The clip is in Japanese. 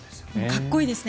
かっこいいですね。